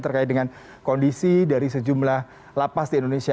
terkait dengan kondisi dari sejumlah lapas di indonesia